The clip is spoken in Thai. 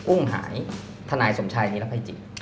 อุ่งหายธนายสมชายนิรัพยาจิ